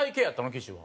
岸は。